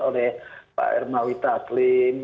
oleh pak ernawi taslim